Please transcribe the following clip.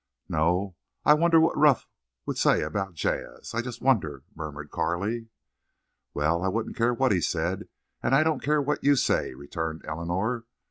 "No.... I wonder what Ruff would say about jazz—I just wonder," murmured Carley. "Well, I wouldn't care what he said, and I don't care what you say," returned Eleanor.